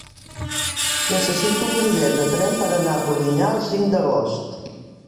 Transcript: Necessito un bitllet de tren per anar a Polinyà el cinc d'agost.